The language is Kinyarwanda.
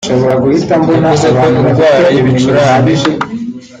yavuze ko indwara y’ibicurane